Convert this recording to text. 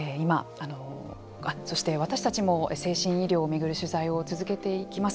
そして、私たちも精神医療を巡る取材を続けていきます。